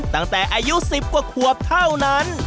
ตั้งแต่อายุ๑๐กว่าขวบเท่านั้น